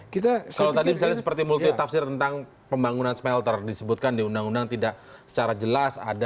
kalau tadi misalnya seperti multi tafsir tentang pembangunan smelter disebutkan di undang undang tidak secara jelas ada